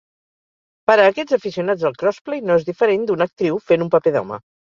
Per a aquests aficionats al crossplay, no es diferent d'una actriu fent un paper d'home.